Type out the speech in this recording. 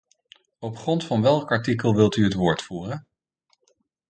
Op grond van welk artikel wilt u het woord voeren?